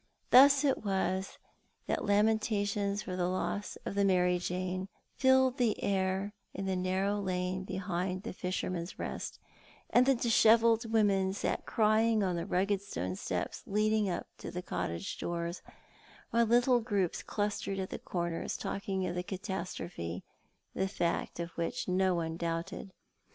Thus it was that lamentations for the loss of the Mary Jane filled the air in the narrow lane behind the Fisherman's Host, and dishevelled women sat crying on the rugged stone steps leading up to cottage doors, while little proups clustered at the corners talk ing of the catastrophe, the fact of which no one doubted.